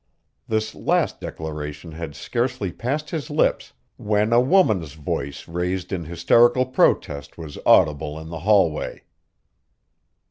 This last declaration had scarcely passed his lips when a woman's voice raised in hysterical protest was audible in the hallway.